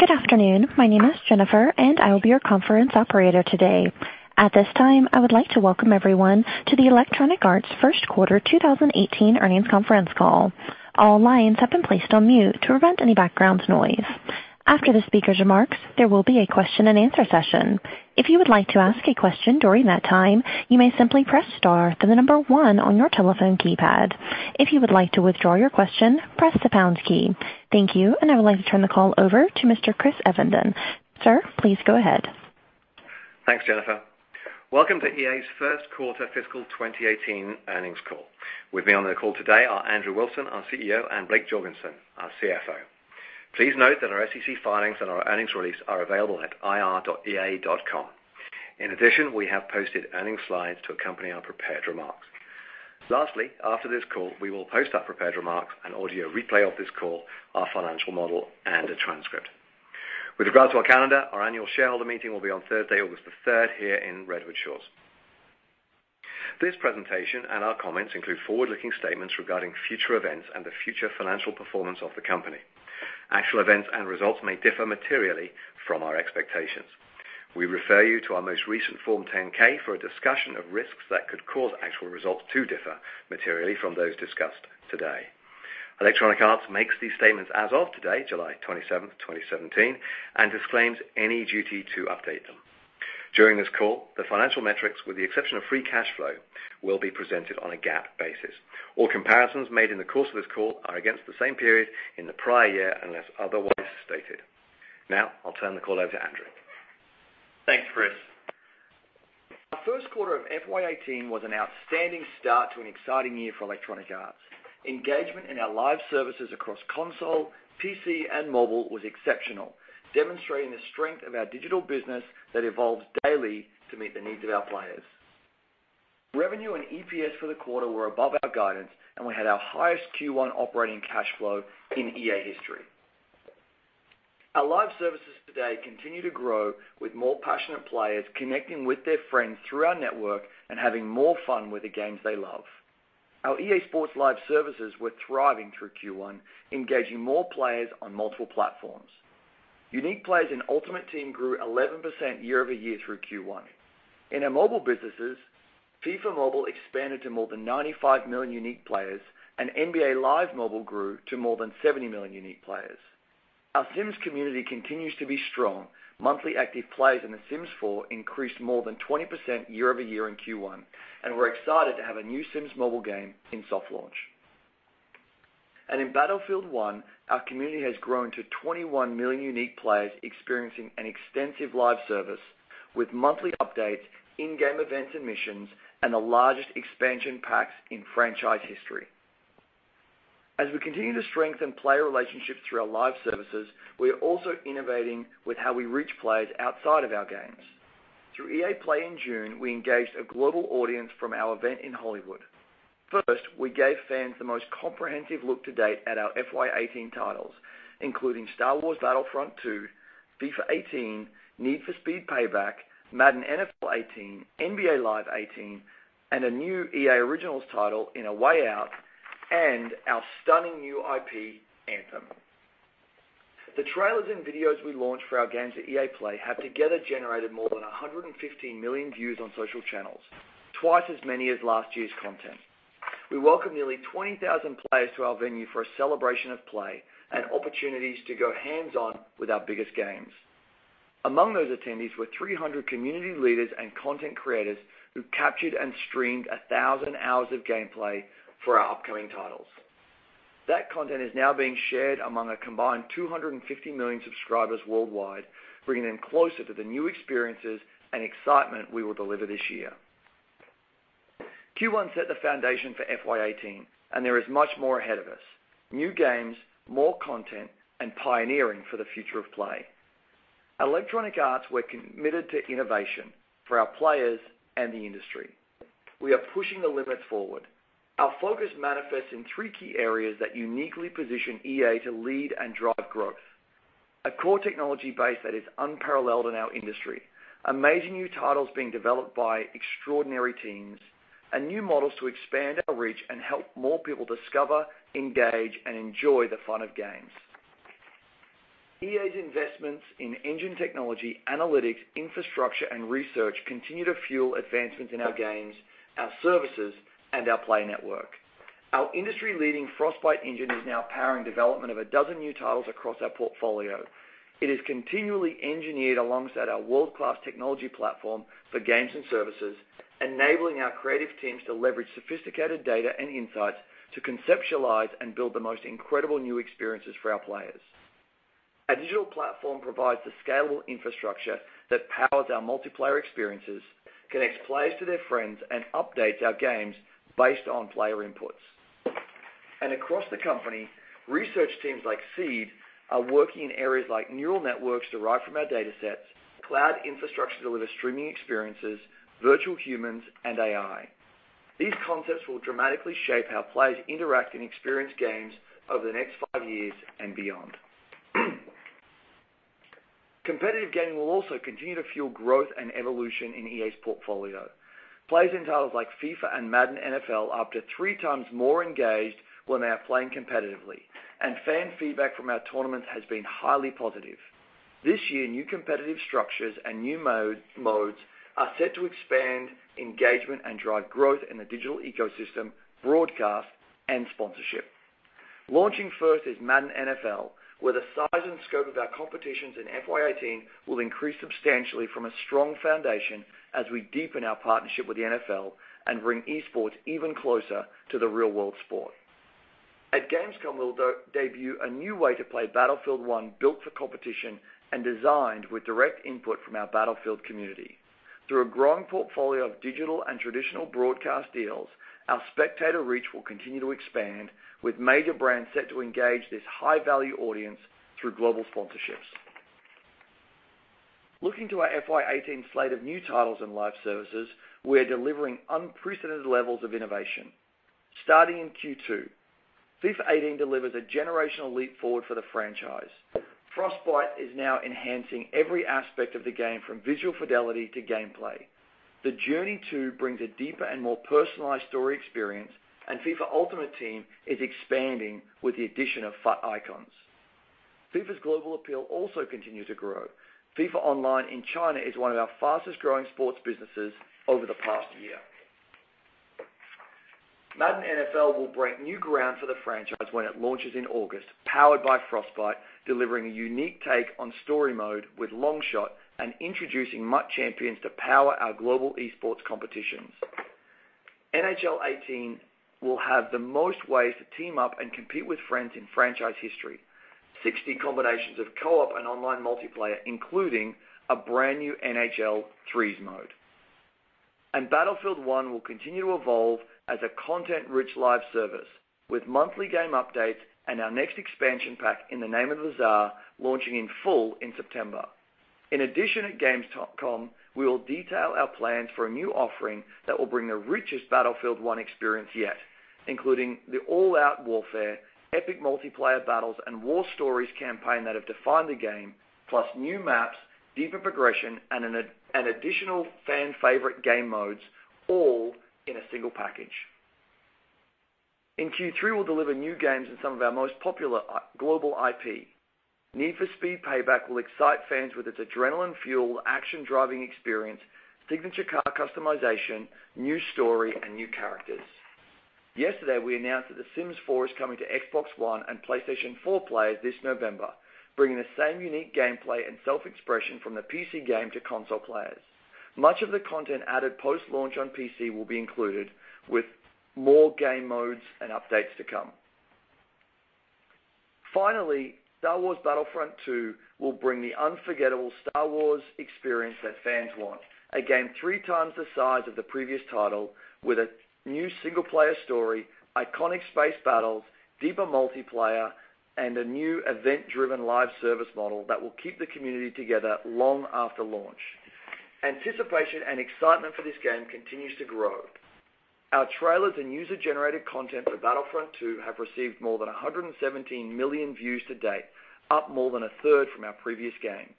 Good afternoon. My name is Jennifer, and I will be your conference operator today. At this time, I would like to welcome everyone to the Electronic Arts first quarter 2018 earnings conference call. All lines have been placed on mute to prevent any background noise. After the speaker's remarks, there will be a question and answer session. If you would like to ask a question during that time, you may simply press star, then the number one on your telephone keypad. If you would like to withdraw your question, press the pound key. Thank you. I would like to turn the call over to Mr. Chris Evenden. Sir, please go ahead. Thanks, Jennifer. Welcome to EA's first quarter fiscal 2018 earnings call. With me on the call today are Andrew Wilson, our CEO, and Blake Jorgensen, our CFO. Please note that our SEC filings and our earnings release are available at ir.ea.com. We have posted earnings slides to accompany our prepared remarks. Lastly, after this call, we will post our prepared remarks, an audio replay of this call, our financial model, and a transcript. With regards to our calendar, our annual shareholder meeting will be on Thursday, August the 3rd, here in Redwood Shores. This presentation and our comments include forward-looking statements regarding future events and the future financial performance of the company. Actual events and results may differ materially from our expectations. We refer you to our most recent Form 10-K for a discussion of risks that could cause actual results to differ materially from those discussed today. Electronic Arts makes these statements as of today, July 27, 2017, and disclaims any duty to update them. During this call, the financial metrics, with the exception of free cash flow, will be presented on a GAAP basis. All comparisons made in the course of this call are against the same period in the prior year, unless otherwise stated. I'll turn the call over to Andrew. Thanks, Chris. Our first quarter of FY 2018 was an outstanding start to an exciting year for Electronic Arts. Engagement in our live services across console, PC, and mobile was exceptional, demonstrating the strength of our digital business that evolves daily to meet the needs of our players. Revenue and EPS for the quarter were above our guidance, and we had our highest Q1 operating cash flow in EA history. Our live services today continue to grow with more passionate players connecting with their friends through our network and having more fun with the games they love. Our EA Sports Live services were thriving through Q1, engaging more players on multiple platforms. Unique players in Ultimate Team grew 11% year-over-year through Q1. In our mobile businesses, FIFA Mobile expanded to more than 95 million unique players, and NBA LIVE Mobile grew to more than 70 million unique players. Our Sims community continues to be strong. Monthly active players in The Sims 4 increased more than 20% year-over-year in Q1. We're excited to have a new The Sims Mobile game in soft launch. In Battlefield 1, our community has grown to 21 million unique players experiencing an extensive live service with monthly updates, in-game events and missions, and the largest expansion packs in franchise history. As we continue to strengthen player relationships through our live services, we are also innovating with how we reach players outside of our games. Through EA Play in June, we engaged a global audience from our event in Hollywood. First, we gave fans the most comprehensive look to date at our FY 2018 titles, including Star Wars Battlefront II, FIFA 18, Need for Speed Payback, Madden NFL 18, NBA Live 18, a new EA Originals title in A Way Out, and our stunning new IP, Anthem. The trailers and videos we launched for our games at EA Play have together generated more than 115 million views on social channels, twice as many as last year's content. We welcomed nearly 20,000 players to our venue for a celebration of play and opportunities to go hands-on with our biggest games. Among those attendees were 300 community leaders and content creators who captured and streamed 1,000 hours of gameplay for our upcoming titles. That content is now being shared among a combined 250 million subscribers worldwide, bringing them closer to the new experiences and excitement we will deliver this year. Q1 set the foundation for FY 2018. There is much more ahead of us. New games, more content, and pioneering for the future of play. At Electronic Arts, we're committed to innovation for our players and the industry. We are pushing the limits forward. Our focus manifests in three key areas that uniquely position EA to lead and drive growth. A core technology base that is unparalleled in our industry, amazing new titles being developed by extraordinary teams, and new models to expand our reach and help more people discover, engage, and enjoy the fun of games. EA's investments in engine technology, analytics, infrastructure, and research continue to fuel advancements in our games, our services, and our play network. Our industry-leading Frostbite engine is now powering development of a dozen new titles across our portfolio. It is continually engineered alongside our world-class technology platform for games and services, enabling our creative teams to leverage sophisticated data and insights to conceptualize and build the most incredible new experiences for our players. Our digital platform provides the scalable infrastructure that powers our multiplayer experiences, connects players to their friends, and updates our games based on player inputs. Across the company, research teams like SEED are working in areas like neural networks derived from our datasets, cloud infrastructure to deliver streaming experiences, virtual humans, and AI. These concepts will dramatically shape how players interact and experience games over the next five years and beyond. Competitive gaming will also continue to fuel growth and evolution in EA's portfolio. Plays in titles like FIFA and Madden NFL are up to three times more engaged when they are playing competitively, and fan feedback from our tournaments has been highly positive. This year, new competitive structures and new modes are set to expand engagement and drive growth in the digital ecosystem broadcast and sponsorship. Launching first is "Madden NFL," where the size and scope of our competitions in FY 2018 will increase substantially from a strong foundation as we deepen our partnership with the NFL and bring e-sports even closer to the real world sport. At Gamescom, we'll debut a new way to play "Battlefield 1," built for competition and designed with direct input from our Battlefield community. Through a growing portfolio of digital and traditional broadcast deals, our spectator reach will continue to expand with major brands set to engage this high-value audience through global sponsorships. Looking to our FY 2018 slate of new titles and live services, we are delivering unprecedented levels of innovation. Starting in Q2, "FIFA 18" delivers a generational leap forward for the franchise. Frostbite is now enhancing every aspect of the game from visual fidelity to gameplay. The Journey too brings a deeper and more personalized story experience, and FIFA Ultimate Team is expanding with the addition of FUT ICONS. FIFA's global appeal also continues to grow. FIFA Online in China is one of our fastest-growing sports businesses over the past year. "Madden NFL" will break new ground for the franchise when it launches in August, powered by Frostbite, delivering a unique take on story mode with Longshot and introducing MUT Champions to power our global e-sports competitions. "NHL 18" will have the most ways to team up and compete with friends in franchise history. 60 combinations of co-op and online multiplayer, including a brand new NHL Threes mode. Battlefield 1" will continue to evolve as a content-rich live service with monthly game updates and our next expansion pack, In the Name of the Tsar, launching in full in September. In addition at Gamescom, we will detail our plans for a new offering that will bring the richest Battlefield 1 experience yet, including the all-out warfare, epic multiplayer battles, and war stories campaign that have defined the game, plus new maps, deeper progression, and additional fan favorite game modes all in a single package. In Q3, we'll deliver new games in some of our most popular global IP. "Need for Speed Payback" will excite fans with its adrenaline-fueled action driving experience, signature car customization, new story, and new characters. Yesterday, we announced that "The Sims 4" is coming to Xbox One and PlayStation 4 players this November, bringing the same unique gameplay and self-expression from the PC game to console players. Much of the content added post-launch on PC will be included, with more game modes and updates to come. Finally, "Star Wars Battlefront II" will bring the unforgettable Star Wars experience that fans want. A game three times the size of the previous title with a new single-player story, iconic space battles, deeper multiplayer, and a new event-driven live service model that will keep the community together long after launch. Anticipation and excitement for this game continues to grow. Our trailers and user-generated content for "Battlefront II" have received more than 117 million views to date, up more than a third from our previous game.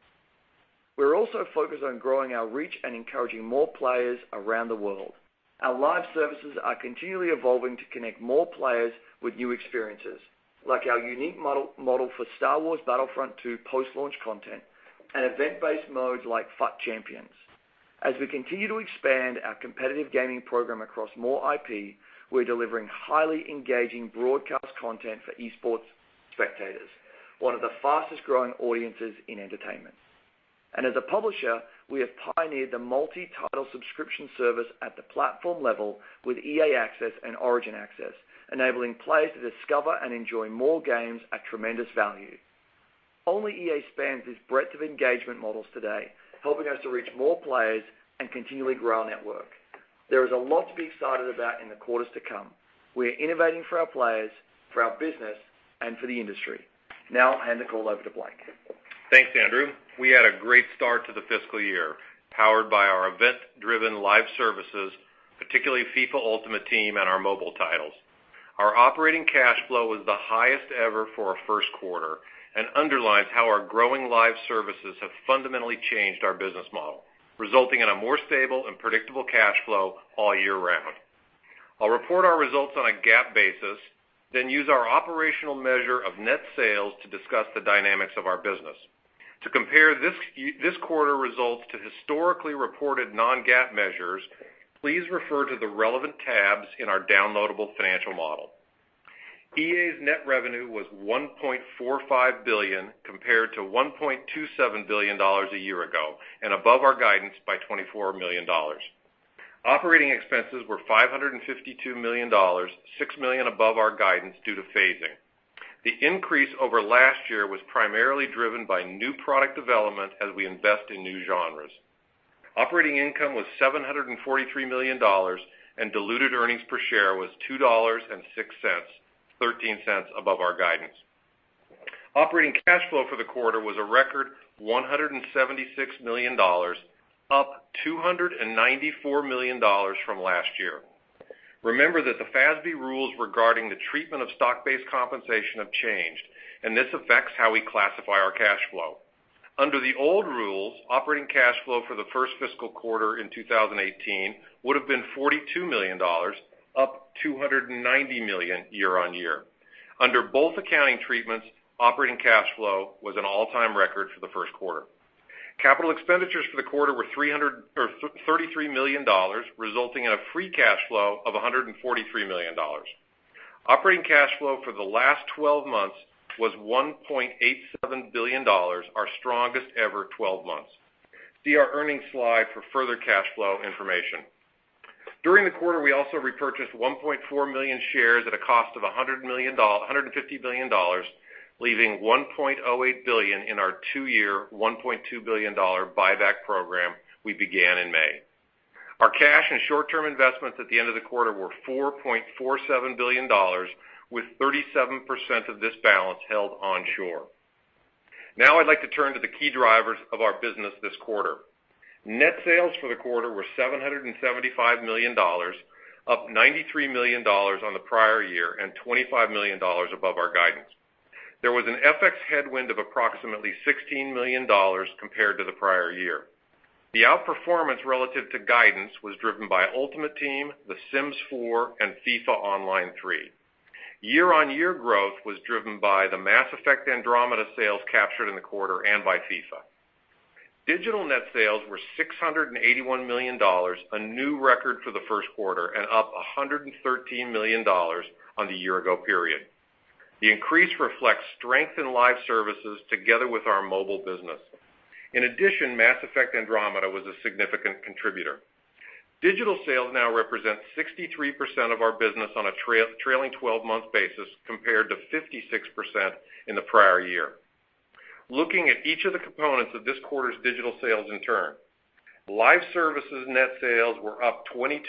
We're also focused on growing our reach and encouraging more players around the world. Our live services are continually evolving to connect more players with new experiences, like our unique model for Star Wars Battlefront II post-launch content and event-based modes like FUT Champions. As we continue to expand our competitive gaming program across more IP, we're delivering highly engaging broadcast content for e-sports spectators, one of the fastest-growing audiences in entertainment. As a publisher, we have pioneered the multi-title subscription service at the platform level with EA Access and Origin Access, enabling players to discover and enjoy more games at tremendous value. Only EA spans this breadth of engagement models today, helping us to reach more players and continually grow our network. There is a lot to be excited about in the quarters to come. We are innovating for our players, for our business, and for the industry. Now I'll hand the call over to Blake. Thanks, Andrew. We had a great start to the fiscal year, powered by our event-driven live services, particularly FIFA Ultimate Team and our mobile titles. Our operating cash flow was the highest ever for a first quarter and underlines how our growing live services have fundamentally changed our business model, resulting in a more stable and predictable cash flow all year round. I'll report our results on a GAAP basis, then use our operational measure of net sales to discuss the dynamics of our business. To compare this quarter results to historically reported non-GAAP measures, please refer to the relevant tabs in our downloadable financial model. EA's net revenue was $1.45 billion, compared to $1.27 billion a year ago, and above our guidance by $24 million. Operating expenses were $552 million, $6 million above our guidance due to phasing. The increase over last year was primarily driven by new product development as we invest in new genres. Operating income was $743 million, and diluted earnings per share was $2.06, $0.13 above our guidance. Operating cash flow for the quarter was a record $176 million, up $294 million from last year. Remember that the FASB rules regarding the treatment of stock-based compensation have changed, and this affects how we classify our cash flow. Under the old rules, operating cash flow for the first fiscal quarter in 2018 would have been $42 million, up $290 million year-on-year. Under both accounting treatments, operating cash flow was an all-time record for the first quarter. Capital expenditures for the quarter were $33 million, resulting in a free cash flow of $143 million. Operating cash flow for the last 12 months was $1.87 billion, our strongest ever 12 months. See our earnings slide for further cash flow information. During the quarter, we also repurchased 1.4 million shares at a cost of $150 million, leaving $1.08 billion in our two-year, $1.2 billion buyback program we began in May. Our cash and short-term investments at the end of the quarter were $4.47 billion, with 37% of this balance held onshore. I'd like to turn to the key drivers of our business this quarter. Net sales for the quarter were $775 million, up $93 million on the prior year and $25 million above our guidance. There was an FX headwind of approximately $16 million compared to the prior year. The outperformance relative to guidance was driven by Ultimate Team, The Sims 4, and FIFA Online 3. Year-on-year growth was driven by the Mass Effect: Andromeda sales captured in the quarter and by FIFA. Digital net sales were $681 million, a new record for the first quarter, and up $113 million on the year-ago period. The increase reflects strength in live services together with our mobile business. In addition, Mass Effect: Andromeda was a significant contributor. Digital sales now represent 63% of our business on a trailing 12-month basis compared to 56% in the prior year. Looking at each of the components of this quarter's digital sales in turn. Live services net sales were up 22%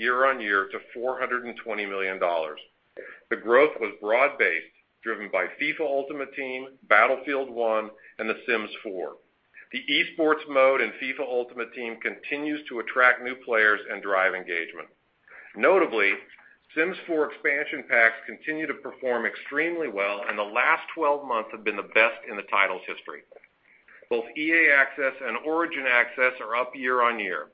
year-on-year to $420 million. The growth was broad-based, driven by FIFA Ultimate Team, Battlefield 1, and The Sims 4. The esports mode in FIFA Ultimate Team continues to attract new players and drive engagement. Notably, Sims 4 expansion packs continue to perform extremely well, and the last 12 months have been the best in the title's history. Both EA Access and Origin Access are up year-on-year.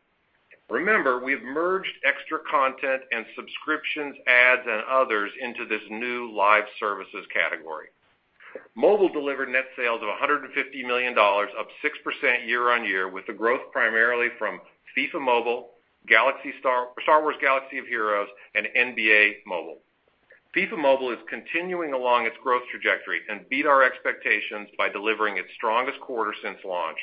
Remember, we've merged extra content and subscriptions, ads, and others into this new live services category. Mobile delivered net sales of $150 million, up 6% year-on-year, with the growth primarily from FIFA Mobile, Star Wars: Galaxy of Heroes, and NBA LIVE Mobile. FIFA Mobile is continuing along its growth trajectory and beat our expectations by delivering its strongest quarter since launch.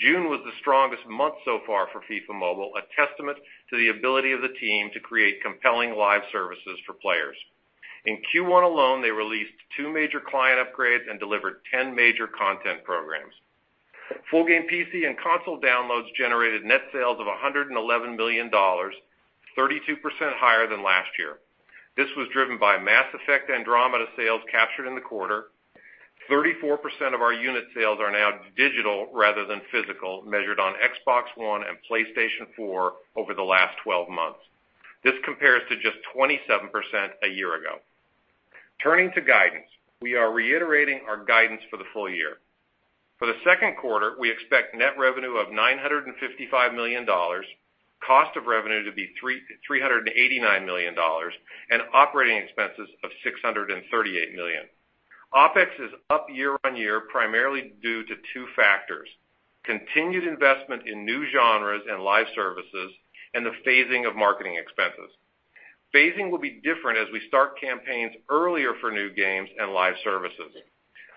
June was the strongest month so far for FIFA Mobile, a testament to the ability of the team to create compelling live services for players. In Q1 alone, they released 2 major client upgrades and delivered 10 major content programs. Full game PC and console downloads generated net sales of $111 million, 32% higher than last year. This was driven by Mass Effect: Andromeda sales captured in the quarter. 34% of our unit sales are now digital rather than physical, measured on Xbox One and PlayStation 4 over the last 12 months. This compares to just 27% a year ago. Turning to guidance. We are reiterating our guidance for the full year. For the second quarter, we expect net revenue of $955 million, cost of revenue to be $389 million, and operating expenses of $638 million. OpEx is up year-on-year, primarily due to two factors: continued investment in new genres and live services, and the phasing of marketing expenses. Phasing will be different as we start campaigns earlier for new games and live services.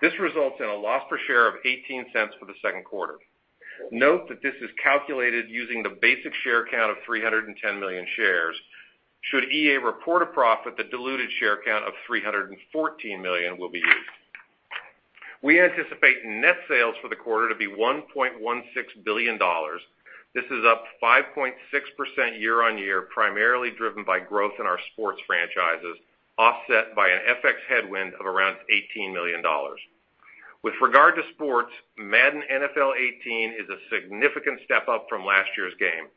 This results in a loss per share of $0.18 for the second quarter. Note that this is calculated using the basic share count of 310 million shares. Should EA report a profit, the diluted share count of 314 million will be used. We anticipate net sales for the quarter to be $1.16 billion. This is up 5.6% year-on-year, primarily driven by growth in our sports franchises, offset by an FX headwind of around $18 million. With regard to sports, Madden NFL 18 is a significant step up from last year's game.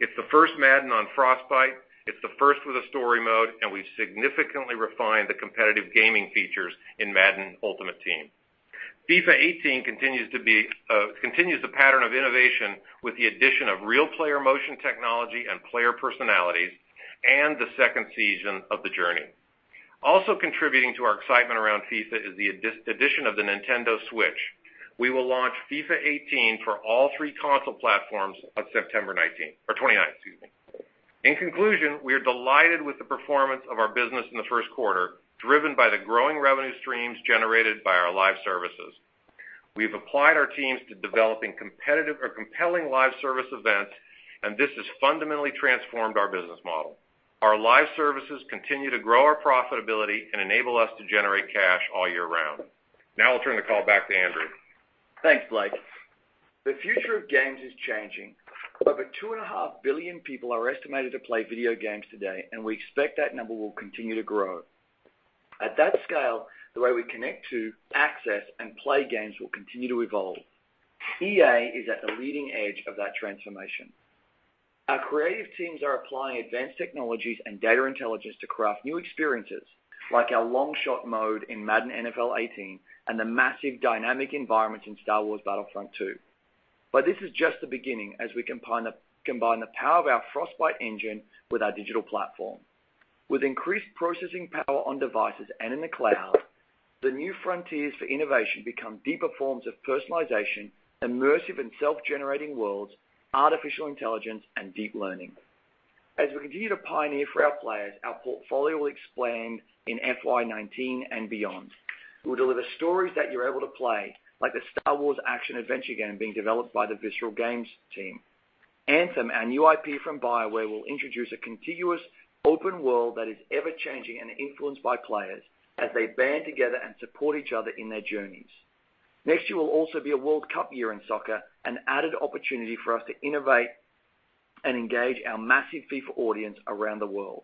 It's the first Madden on Frostbite, it's the first with a story mode, and we've significantly refined the competitive gaming features in Madden Ultimate Team. FIFA 18 continues the pattern of innovation with the addition of Real Player Motion technology and player personalities, and the second season of The Journey. Also contributing to our excitement around FIFA is the addition of the Nintendo Switch. We will launch FIFA 18 for all three console platforms on September 19th. Or 29th, excuse me. In conclusion, we are delighted with the performance of our business in the first quarter, driven by the growing revenue streams generated by our live services. We've applied our teams to developing competitive or compelling live service events, and this has fundamentally transformed our business model. Our live services continue to grow our profitability and enable us to generate cash all year round. Now I'll turn the call back to Andrew. Thanks, Blake. The future of games is changing. Over two and a half billion people are estimated to play video games today, and we expect that number will continue to grow. At that scale, the way we connect to, access, and play games will continue to evolve. EA is at the leading edge of that transformation. Our creative teams are applying advanced technologies and data intelligence to craft new experiences, like our Longshot mode in Madden NFL 18, and the massive dynamic environments in Star Wars Battlefront II. This is just the beginning as we combine the power of our Frostbite engine with our digital platform. With increased processing power on devices and in the cloud, the new frontiers for innovation become deeper forms of personalization, immersive and self-generating worlds, artificial intelligence, and deep learning. As we continue to pioneer for our players, our portfolio will expand in FY 2019 and beyond. We will deliver stories that you're able to play, like the Star Wars action-adventure game being developed by the Visceral Games team. Anthem, our new IP from BioWare, will introduce a contiguous open world that is ever-changing and influenced by players as they band together and support each other in their journeys. Next year will also be a World Cup year in soccer, an added opportunity for us to innovate and engage our massive FIFA audience around the world.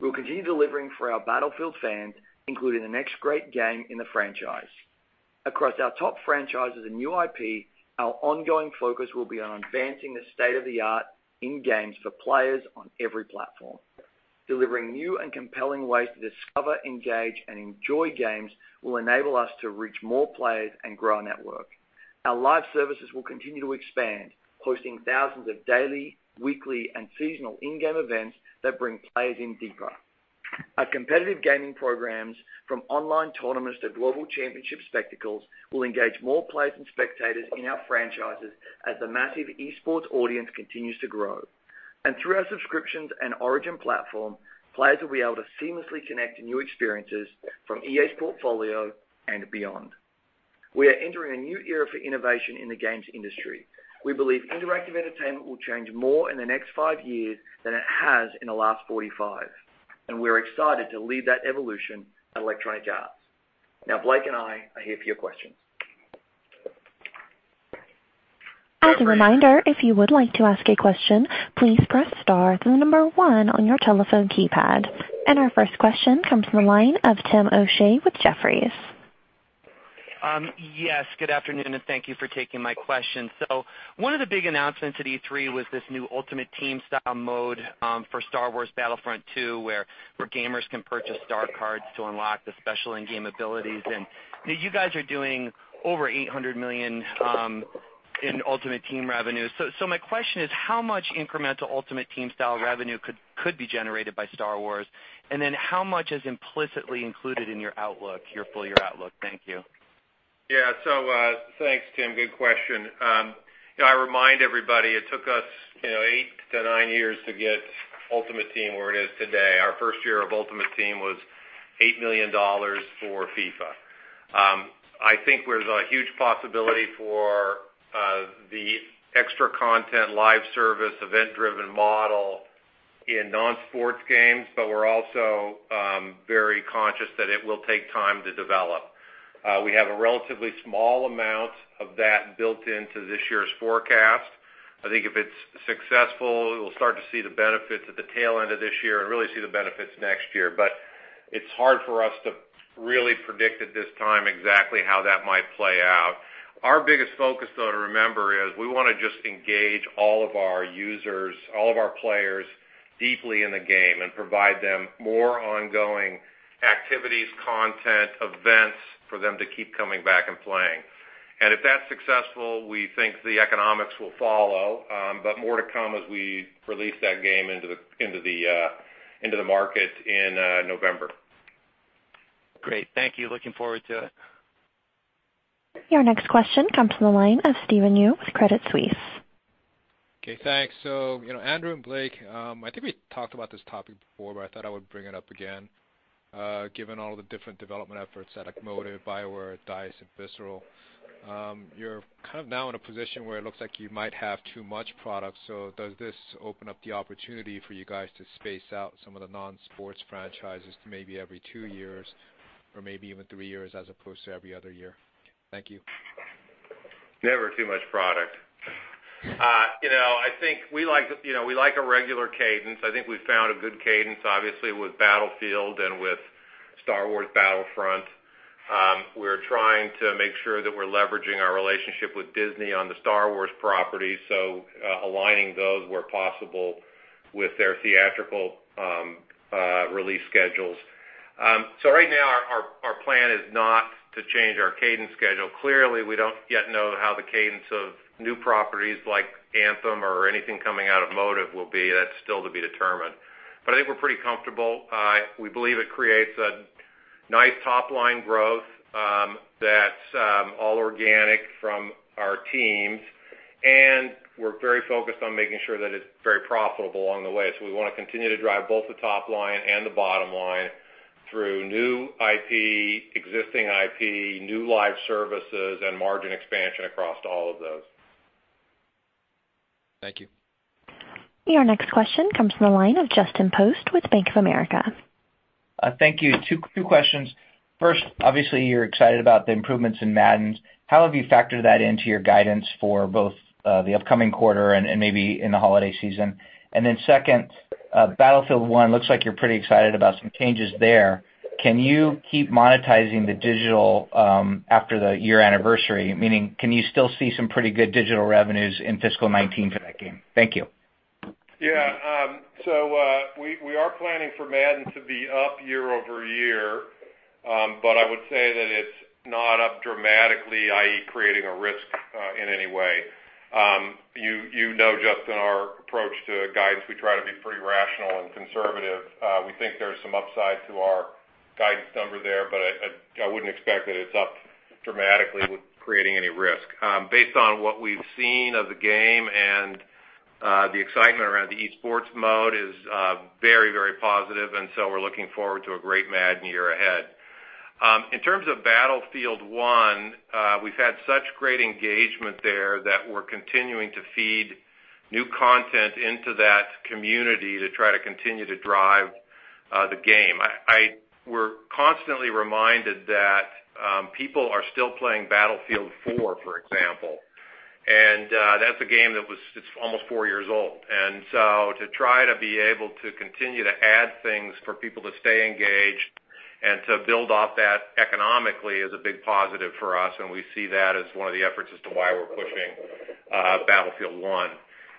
We will continue delivering for our Battlefield fans, including the next great game in the franchise. Across our top franchises and new IP, our ongoing focus will be on advancing the state-of-the-art in games for players on every platform. Delivering new and compelling ways to discover, engage, and enjoy games will enable us to reach more players and grow our network. Our live services will continue to expand, hosting thousands of daily, weekly, and seasonal in-game events that bring players in deeper. Our competitive gaming programs, from online tournaments to global championship spectacles, will engage more players and spectators in our franchises as the massive esports audience continues to grow. Through our subscriptions and Origin platform, players will be able to seamlessly connect to new experiences from EA's portfolio and beyond. We are entering a new era for innovation in the games industry. We believe interactive entertainment will change more in the next five years than it has in the last 45, and we're excited to lead that evolution at Electronic Arts. Now Blake and I are here for your questions. As a reminder, if you would like to ask a question, please press star through the number one on your telephone keypad. Our first question comes from the line of Timothy O'Shea with Jefferies. Yes. Good afternoon, and thank you for taking my question. One of the big announcements at E3 was this new Ultimate Team style mode for Star Wars Battlefront II, where gamers can purchase star cards to unlock the special in-game abilities. You guys are doing over $800 million in Ultimate Team revenue. My question is, how much incremental Ultimate Team style revenue could be generated by Star Wars? How much is implicitly included in your full-year outlook? Thank you. Yeah. Thanks, Tim. Good question. I remind everybody, it took us eight to nine years to get Ultimate Team where it is today. Our first year of Ultimate Team was $8 million for FIFA. I think there's a huge possibility for the extra content live service event-driven model in non-sports games, but we're also very conscious that it will take time to develop. We have a relatively small amount of that built into this year's forecast. I think if it's successful, we'll start to see the benefits at the tail end of this year and really see the benefits next year. It's hard for us to really predict at this time exactly how that might play out. Our biggest focus, though, to remember is we want to just engage all of our users, all of our players deeply in the game and provide them more ongoing activities, content, events for them to keep coming back and playing. If that's successful, we think the economics will follow. More to come as we release that game into the market in November. Great. Thank you. Looking forward to it. Your next question comes from the line of Stephen Ju with Credit Suisse. Okay, thanks. Andrew and Blake, I think we talked about this topic before, but I thought I would bring it up again. Given all the different development efforts at like Motive, BioWare, DICE, and Visceral, you're now in a position where it looks like you might have too much product. Does this open up the opportunity for you guys to space out some of the non-sports franchises to maybe every two years or maybe even three years as opposed to every other year? Thank you. Never too much product. I think we like a regular cadence. I think we've found a good cadence, obviously, with Battlefield and with Star Wars Battlefront. We're trying to make sure that we're leveraging our relationship with Disney on the Star Wars property, aligning those where possible with their theatrical release schedules. Right now, our plan is not to change our cadence schedule. Clearly, we don't yet know how the cadence of new properties like Anthem or anything coming out of Motive will be. That's still to be determined. I think we're pretty comfortable. We believe it creates a nice top-line growth that's all organic from our teams, and we're very focused on making sure that it's very profitable along the way. We want to continue to drive both the top line and the bottom line through new IP, existing IP, new live services, and margin expansion across all of those. Thank you. Your next question comes from the line of Justin Post with Bank of America. Thank you. Two questions. First, obviously you're excited about the improvements in Madden. How have you factored that into your guidance for both the upcoming quarter and maybe in the holiday season? Second, Battlefield 1 looks like you're pretty excited about some changes there. Can you keep monetizing the digital after the year anniversary? Meaning, can you still see some pretty good digital revenues in fiscal 2019 for that game? Thank you. Yeah. We are planning for Madden to be up year-over-year. I would say that it's not up dramatically, i.e., creating a risk in any way. You know, Justin, our approach to guidance, we try to be pretty rational and conservative. We think there's some upside to our guidance number there, but I wouldn't expect that it's up dramatically with creating any risk. Based on what we've seen of the game and the excitement around the esports mode is very positive, we're looking forward to a great Madden year ahead. In terms of Battlefield 1, we've had such great engagement there that we're continuing to feed new content into that community to try to continue to drive the game. We're constantly reminded that people are still playing Battlefield 4, for example, and that's a game that's almost four years old. To try to be able to continue to add things for people to stay engaged and to build off that economically is a big positive for us, and we see that as one of the efforts as to why we're pushing Battlefield 1.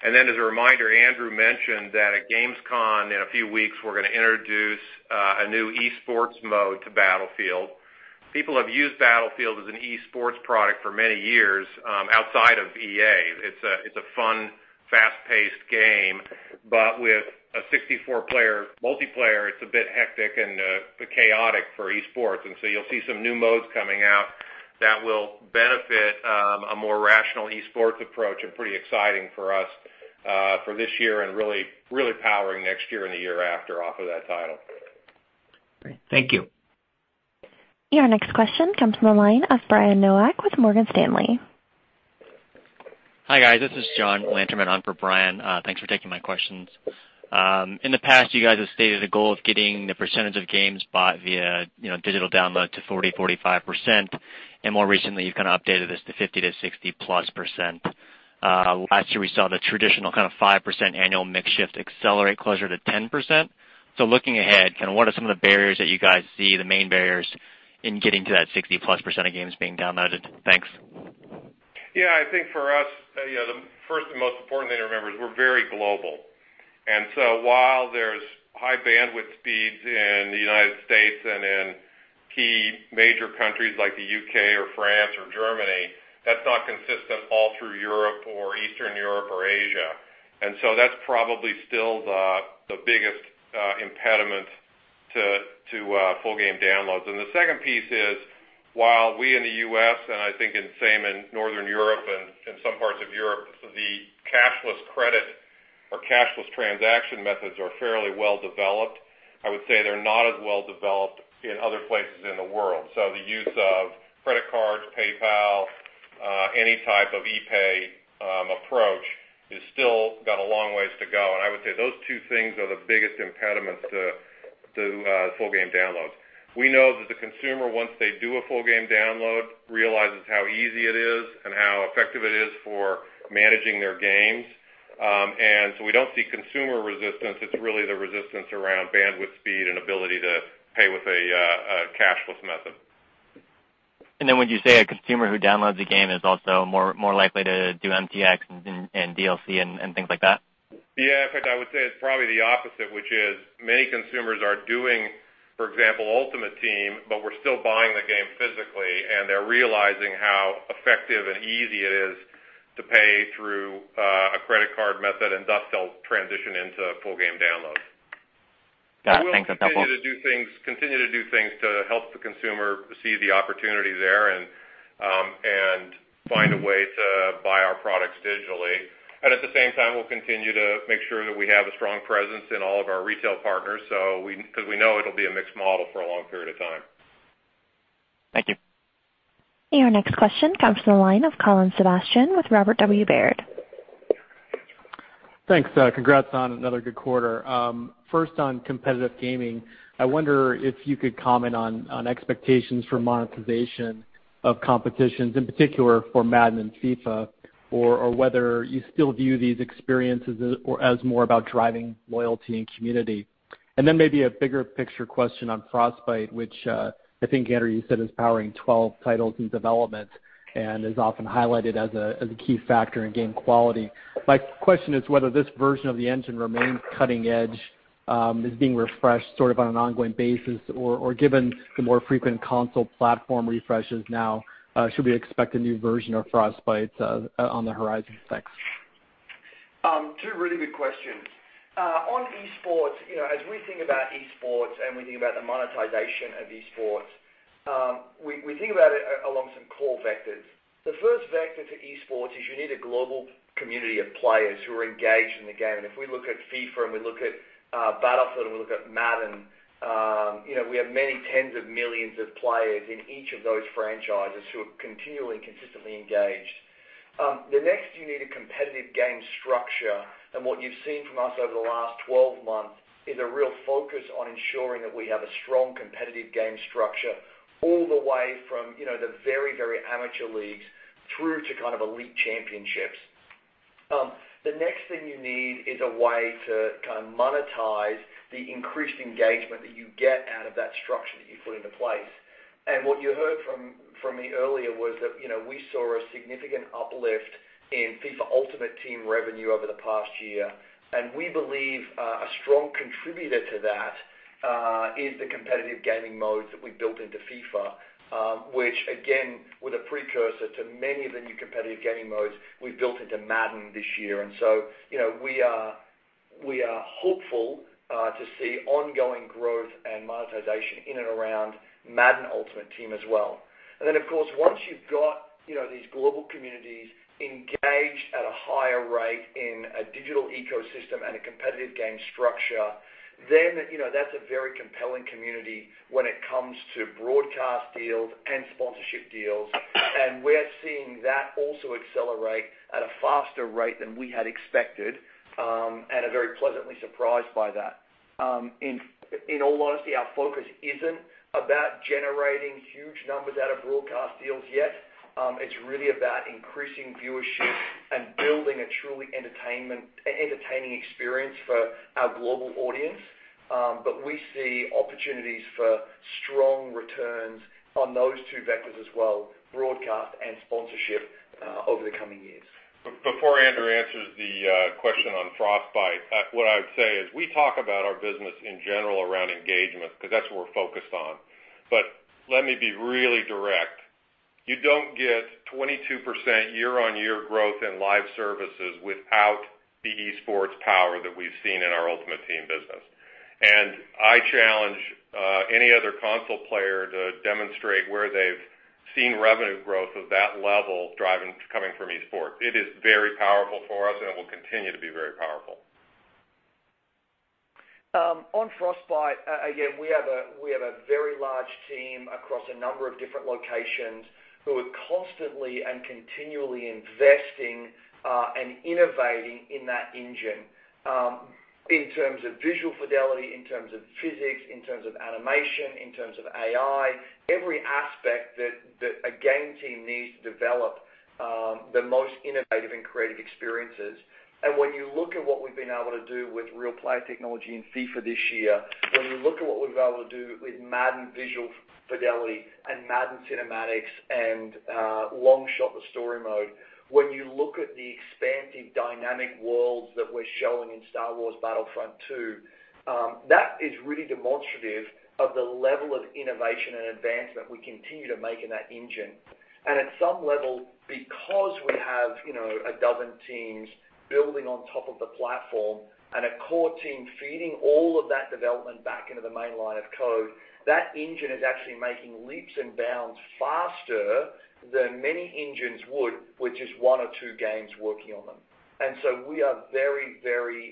As a reminder, Andrew mentioned that at Gamescom in a few weeks, we're going to introduce a new esports mode to Battlefield. People have used Battlefield as an esports product for many years outside of EA. It's a fun, fast-paced game. With a 64-player multiplayer, it's a bit hectic and a bit chaotic for esports. You'll see some new modes coming out that will benefit a more rational esports approach and pretty exciting for us for this year and really powering next year and the year after off of that title. Great. Thank you. Your next question comes from the line of Brian Nowak with Morgan Stanley. Hi, guys. This is John Lanterman on for Brian. Thanks for taking my questions. In the past, you guys have stated a goal of getting the percentage of games bought via digital download to 40%-45%, and more recently, you've kind of updated this to 50%-60-plus%. Last year, we saw the traditional kind of 5% annual mix shift accelerate closer to 10%. Looking ahead, what are some of the barriers that you guys see, the main barriers in getting to that 60-plus% of games being downloaded? Thanks. I think for us, the first and most important thing to remember is we're very global. While there's high bandwidth speeds in the United States and in key major countries like the U.K. or France or Germany, that's not consistent all through Europe or Eastern Europe or Asia. That's probably still the biggest impediment to full game downloads. The second piece is, while we in the U.S., and I think it's the same in Northern Europe and in some parts of Europe, the cashless credit or cashless transaction methods are fairly well-developed. I would say they're not as well-developed in other places in the world. The use of credit cards, PayPal, any type of e-pay approach is still got a long ways to go. I would say those two things are the biggest impediment to full game downloads. We know that the consumer, once they do a full game download, realizes how easy it is and how effective it is for managing their games. We don't see consumer resistance. It's really the resistance around bandwidth speed and ability to pay with a cashless method. Would you say a consumer who downloads a game is also more likely to do MTX and DLC and things like that? Yeah. In fact, I would say it's probably the opposite, which is many consumers are doing, for example, Ultimate Team. We're still buying the game physically. They're realizing how effective and easy it is to pay through a credit card method, thus they'll transition into full game downloads. Got it. Thanks. That's helpful. We'll continue to do things to help the consumer see the opportunity there and find a way to buy our products digitally. At the same time, we'll continue to make sure that we have a strong presence in all of our retail partners, because we know it'll be a mixed model for a long period of time. Thank you. Your next question comes from the line of Colin Sebastian with Robert W. Baird. Thanks. Congrats on another good quarter. First on competitive gaming, I wonder if you could comment on expectations for monetization of competitions, in particular for Madden and FIFA, or whether you still view these experiences as more about driving loyalty and community. Maybe a bigger picture question on Frostbite, which I think, Andrew, you said is powering 12 titles in development and is often highlighted as a key factor in game quality. My question is whether this version of the engine remains cutting edge, is being refreshed sort of on an ongoing basis, or given the more frequent console platform refreshes now, should we expect a new version of Frostbite on the horizon? Thanks. Two really good questions. On esports, as we think about esports and we think about the monetization of esports, we think about it along some core vectors. The first vector to esports is you need a global community of players who are engaged in the game. If we look at FIFA and we look at Battlefield and we look at Madden, we have many tens of millions of players in each of those franchises who are continually and consistently engaged. The next, you need a competitive game structure. What you've seen from us over the last 12 months is a real focus on ensuring that we have a strong competitive game structure all the way from the very amateur leagues through to elite championships. The next thing you need is a way to monetize the increased engagement that you get out of that structure that you put into place. What you heard from me earlier was that we saw a significant uplift in FIFA Ultimate Team revenue over the past year, and we believe a strong contributor to that is the competitive gaming modes that we built into FIFA, which again, were the precursor to many of the new competitive gaming modes we've built into Madden this year. We are hopeful to see ongoing growth and monetization in and around Madden Ultimate Team as well. Of course, once you've got these global communities engaged at a higher rate in a digital ecosystem and a competitive game structure, that's a very compelling community when it comes to broadcast deals and sponsorship deals. We're seeing that also accelerate at a faster rate than we had expected and are very pleasantly surprised by that. In all honesty, our focus isn't about generating huge numbers out of broadcast deals yet. It's really about increasing viewership and building a truly entertaining experience for our global audience. We see opportunities for strong returns on those two vectors as well, broadcast and sponsorship, over the coming years. Before Andrew answers the question on Frostbite, what I would say is, we talk about our business in general around engagement because that's what we're focused on. Let me be really direct. You don't get 22% year-over-year growth in live services without the esports power that we've seen in our Ultimate Team business. I challenge any other console player to demonstrate where they've seen revenue growth of that level coming from esports. It is very powerful for us, and it will continue to be very powerful. On Frostbite, again, we have a very large team across a number of different locations who are constantly and continually investing and innovating in that engine. In terms of visual fidelity, in terms of physics, in terms of animation, in terms of AI, every aspect that a game team needs to develop the most innovative and creative experiences. When you look at what we've been able to do with Real Player Motion technology in FIFA this year, when you look at what we've been able to do with Madden visual fidelity and Madden cinematics and Longshot, the story mode, when you look at the expansive dynamic worlds that we're showing in Star Wars Battlefront II, that is really demonstrative of the level of innovation and advancement we continue to make in that engine. At some level, because we have a dozen teams building on top of the platform and a core team feeding all of that development back into the main line of code, that engine is actually making leaps and bounds faster than many engines would with just one or two games working on them. We are very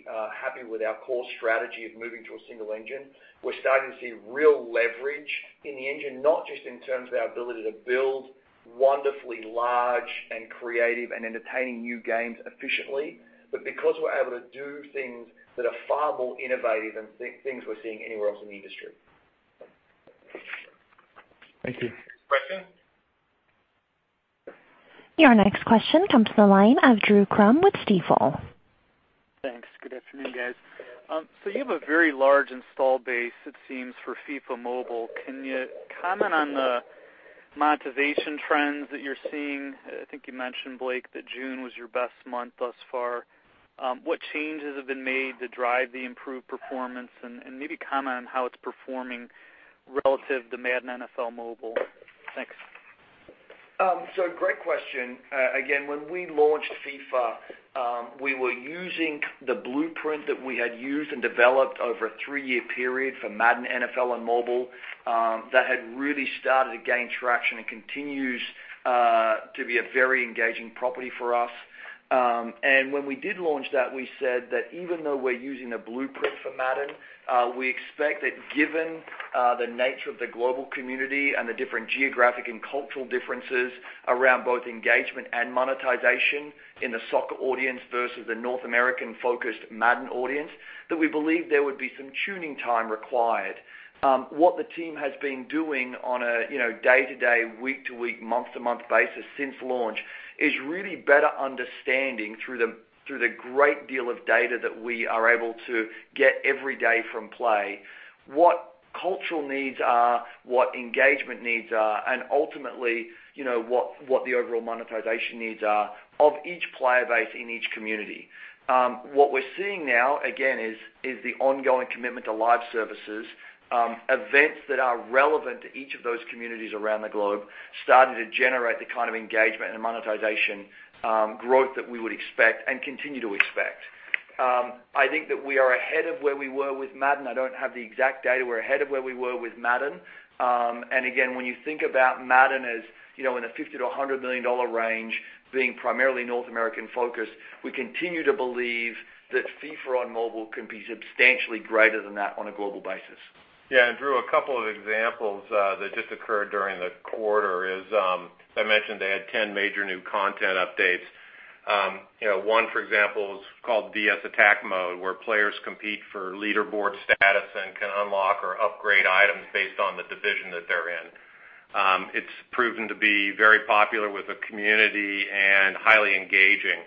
happy with our core strategy of moving to a single engine. We're starting to see real leverage in the engine, not just in terms of our ability to build wonderfully large and creative and entertaining new games efficiently, but because we're able to do things that are far more innovative than things we're seeing anywhere else in the industry. Thank you. Next question. Your next question comes to the line of Doug Creutz with Stifel. Thanks. Good afternoon, guys. You have a very large install base, it seems, for FIFA Mobile. Can you comment on the monetization trends that you're seeing? I think you mentioned, Blake, that June was your best month thus far. What changes have been made to drive the improved performance? Maybe comment on how it's performing relative to Madden NFL Mobile. Thanks. Great question. Again, when we launched FIFA, we were using the blueprint that we had used and developed over a three-year period for Madden NFL on mobile. That had really started to gain traction and continues to be a very engaging property for us. When we did launch that, we said that even though we're using a blueprint for Madden, we expect that given the nature of the global community and the different geographic and cultural differences around both engagement and monetization in the soccer audience versus the North American-focused Madden audience, that we believe there would be some tuning time required. What the team has been doing on a day-to-day, week-to-week, month-to-month basis since launch is really better understanding through the great deal of data that we are able to get every day from play, what cultural needs are, what engagement needs are, and ultimately, what the overall monetization needs are of each player base in each community. What we're seeing now, again, is the ongoing commitment to live services. Events that are relevant to each of those communities around the globe starting to generate the kind of engagement and monetization growth that we would expect and continue to expect. I think that we are ahead of where we were with Madden. I don't have the exact data. We're ahead of where we were with Madden. Again, when you think about Madden as in a $50 million-$100 million range, being primarily North American-focused, we continue to believe that FIFA on mobile can be substantially greater than that on a global basis. Yeah, Drew, a couple of examples that just occurred during the quarter is, as I mentioned, they had 10 major new content updates. One, for example, is called VS Attack Mode, where players compete for leaderboard status and can unlock or upgrade items based on the division that they're in. It's proven to be very popular with the community and highly engaging.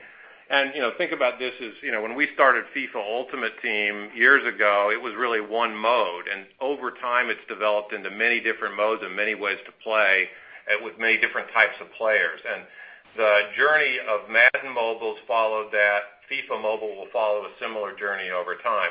Think about this as, when we started "FIFA Ultimate Team" years ago, it was really one mode. Over time, it's developed into many different modes and many ways to play with many different types of players. The journey of "Madden Mobile" followed that. "FIFA Mobile" will follow a similar journey over time.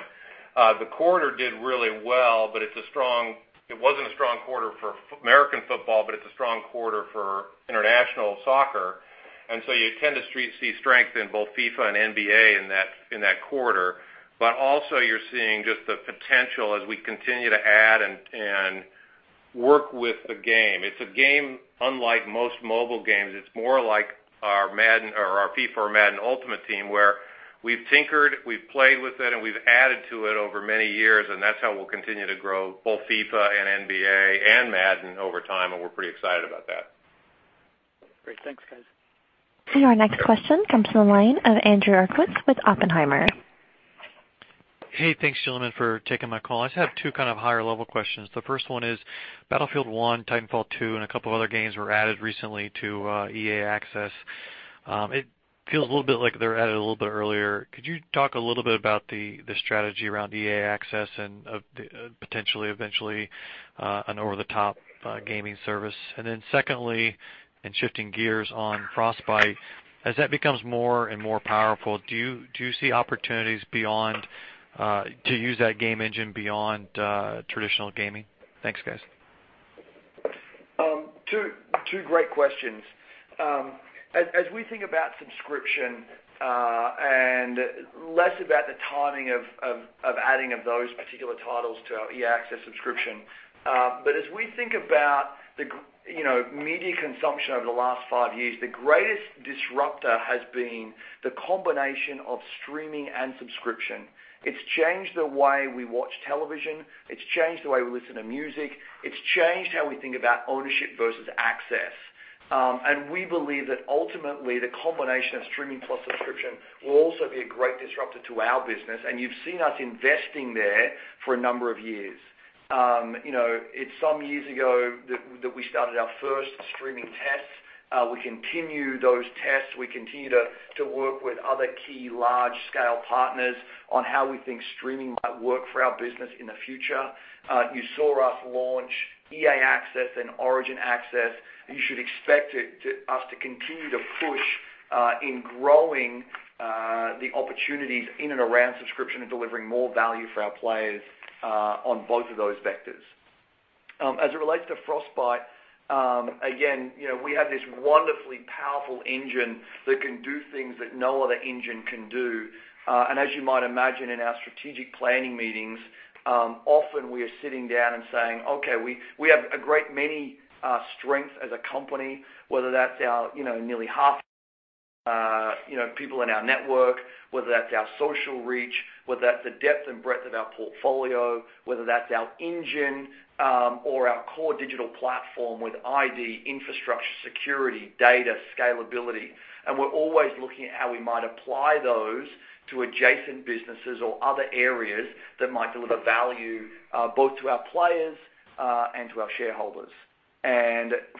The quarter did really well, it wasn't a strong quarter for American football, it's a strong quarter for international soccer, you tend to see strength in both "FIFA" and "NBA" in that quarter. Also you're seeing just the potential as we continue to add and work with the game. It's a game unlike most mobile games. It's more like our "FIFA" or "Madden Ultimate Team," where we've tinkered, we've played with it, and we've added to it over many years, that's how we'll continue to grow both "FIFA" and "NBA" and "Madden" over time, we're pretty excited about that. Great. Thanks, guys. Our next question comes from the line of Andrew Uerkwitz with Oppenheimer. Thanks, gentlemen, for taking my call. I just have two kind of higher-level questions. The first one is "Battlefield 1," "Titanfall 2," and a couple other games were added recently to EA Access. It feels a little bit like they were added a little bit earlier. Could you talk a little bit about the strategy around EA Access and potentially eventually an over-the-top gaming service? Secondly, shifting gears on Frostbite, as that becomes more and more powerful, do you see opportunities to use that game engine beyond traditional gaming? Thanks, guys. Two great questions. As we think about subscription, less about the timing of adding of those particular titles to our EA Access subscription. As we think about media consumption over the last five years, the greatest disruptor has been the combination of streaming and subscription. It's changed the way we watch television. It's changed the way we listen to music. It's changed how we think about ownership versus access. We believe that ultimately the combination of streaming plus subscription will also be a great disruptor to our business, and you've seen us investing there for a number of years. It's some years ago that we started our first streaming tests. We continue those tests. We continue to work with other key large-scale partners on how we think streaming might work for our business in the future. You saw us launch EA Access and Origin Access, you should expect us to continue to push in growing the opportunities in and around subscription and delivering more value for our players on both of those vectors. As it relates to Frostbite, again, we have this wonderfully powerful engine that can do things that no other engine can do. As you might imagine in our strategic planning meetings, often we are sitting down and saying, "Okay, we have a great many strengths as a company," whether that's our nearly half people in our network, whether that's our social reach, whether that's the depth and breadth of our portfolio, whether that's our engine or our core digital platform with ID, infrastructure, security, data, scalability.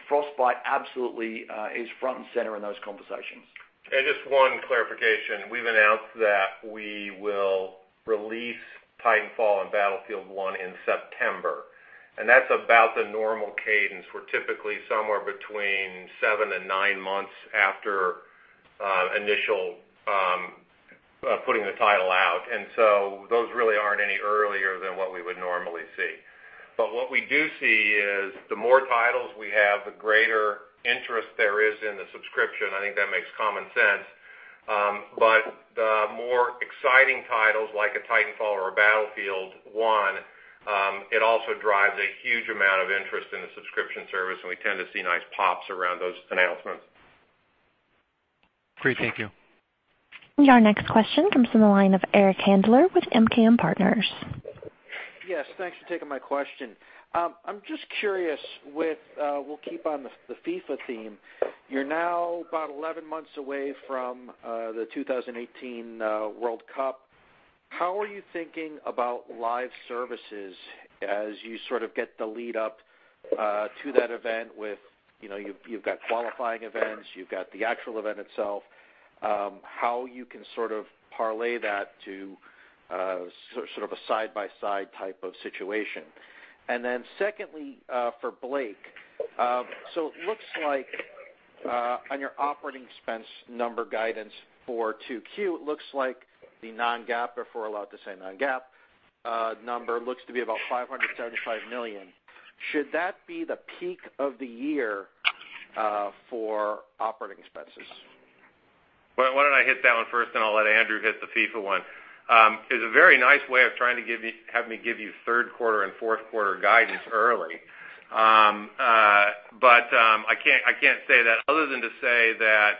Frostbite absolutely is front and center in those conversations. Just one clarification. We've announced that we will release Titanfall and Battlefield 1 in September, that's about the normal cadence. We're typically somewhere between seven and nine months after initial putting the title out. What we do see is the more titles we have, the greater interest there is in the subscription. I think that makes common sense. The more exciting titles like a Titanfall or a Battlefield 1, it also drives a huge amount of interest in the subscription service, we tend to see nice pops around those announcements. Great. Thank you. Your next question comes from the line of Eric Handler with MKM Partners. Thanks for taking my question. I'm just curious, we'll keep on the FIFA theme. You're now about 11 months away from the 2018 FIFA World Cup. How are you thinking about live services as you sort of get the lead up to that event, you've got qualifying events, you've got the actual event itself, how you can sort of parlay that to sort of a side-by-side type of situation? Secondly, for Blake, it looks like on your operating expense number guidance for 2Q, it looks like the non-GAAP, if we're allowed to say non-GAAP number looks to be about $575 million. Should that be the peak of the year for operating expenses? Why don't I hit that one first, then I'll let Andrew hit the FIFA one. It's a very nice way of trying to have me give you third quarter and fourth quarter guidance early. I can't say that other than to say that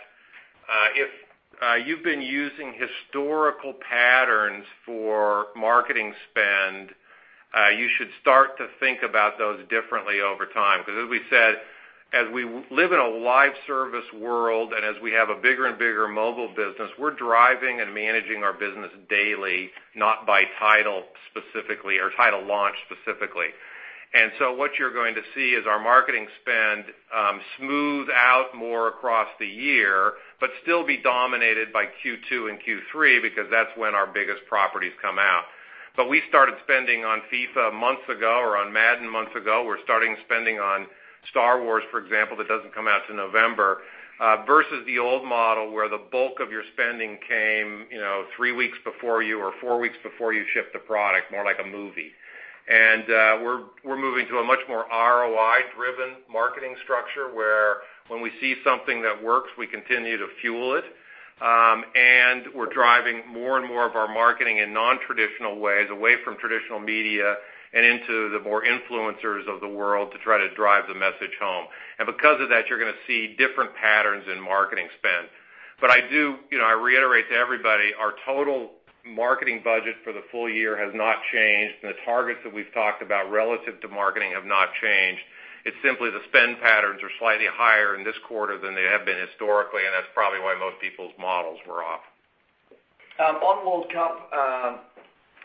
if you've been using historical patterns for marketing spend. You should start to think about those differently over time, because as we said, as we live in a live service world, and as we have a bigger and bigger mobile business, we're driving and managing our business daily, not by title specifically or title launch specifically. What you're going to see is our marketing spend smooth out more across the year, but still be dominated by Q2 and Q3 because that's when our biggest properties come out. We started spending on FIFA months ago or on Madden months ago. We're starting spending on Star Wars, for example, that doesn't come out till November. Versus the old model where the bulk of your spending came three weeks before you or four weeks before you ship the product, more like a movie. We're moving to a much more ROI-driven marketing structure where when we see something that works, we continue to fuel it. We're driving more and more of our marketing in non-traditional ways away from traditional media and into the more influencers of the world to try to drive the message home. Because of that, you're going to see different patterns in marketing spend. I reiterate to everybody, our total marketing budget for the full year has not changed, and the targets that we've talked about relative to marketing have not changed. It's simply the spend patterns are slightly higher in this quarter than they have been historically, and that's probably why most people's models were off. On World Cup,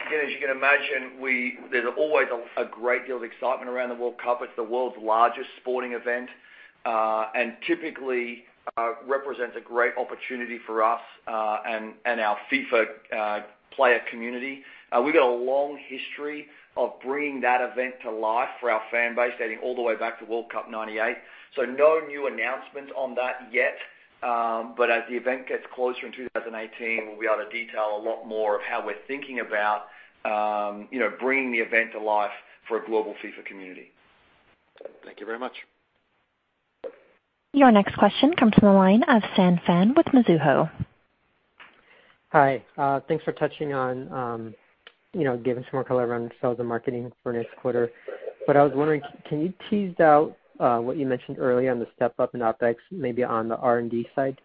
again, as you can imagine, there's always a great deal of excitement around the World Cup. It's the world's largest sporting event, and typically represents a great opportunity for us and our FIFA player community. We've got a long history of bringing that event to life for our fan base, dating all the way back to World Cup '98. No new announcement on that yet. As the event gets closer in 2018, we'll be able to detail a lot more of how we're thinking about bringing the event to life for a global FIFA community. Thank you very much. Your next question comes from the line of San Phan with Mizuho. Hi, thanks for touching on giving some more color around sales and marketing for next quarter. I was wondering, can you tease out what you mentioned earlier on the step-up in OpEx, maybe on the R&D side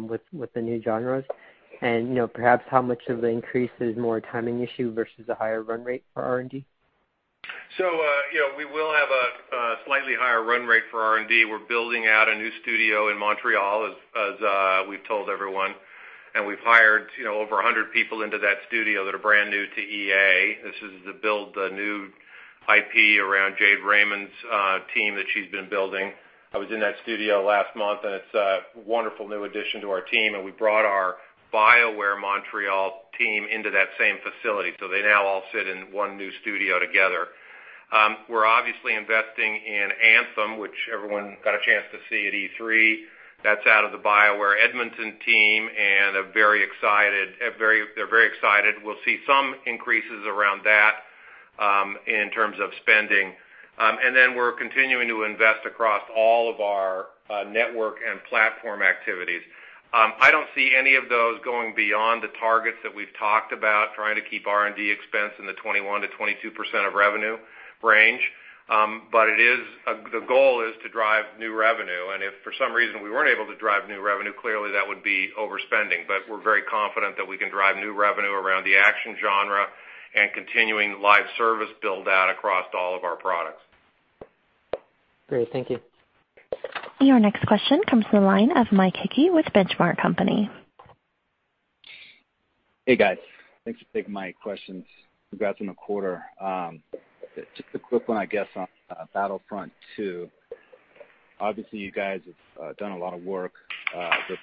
with the new genres? Perhaps how much of the increase is more a timing issue versus a higher run rate for R&D? We will have a slightly higher run rate for R&D. We're building out a new studio in Montreal, as we've told everyone. We've hired over 100 people into that studio that are brand new to EA. This is to build the new IP around Jade Raymond's team that she's been building. I was in that studio last month, and it's a wonderful new addition to our team, and we brought our BioWare Montreal team into that same facility. They now all sit in one new studio together. We're obviously investing in Anthem, which everyone got a chance to see at E3. That's out of the BioWare Edmonton team, and they're very excited. We'll see some increases around that in terms of spending. We're continuing to invest across all of our network and platform activities. I don't see any of those going beyond the targets that we've talked about, trying to keep R&D expense in the 21%-22% of revenue range. The goal is to drive new revenue, and if for some reason we weren't able to drive new revenue, clearly that would be overspending. We're very confident that we can drive new revenue around the action genre and continuing live service build-out across all of our products. Great. Thank you. Your next question comes from the line of Mike Hickey with Benchmark Company. Hey, guys. Thanks for taking my questions. Congrats on the quarter. Just a quick one, I guess, on Battlefront II. Obviously, you guys have done a lot of work with